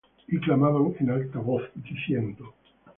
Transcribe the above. Y clamaban en alta voz diciendo